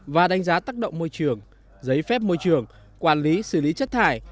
và đánh giá tác động môi trường giấy phép môi trường quản lý xử lý chất thải